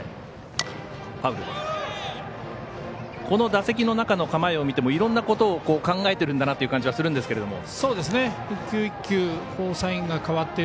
この打席の中の構えを見てもいろんなことを考えてるんだなという感じがするんですけど。